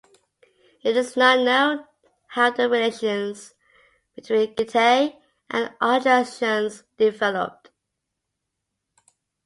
It is not known how the relations between Getae and Odrysians developed.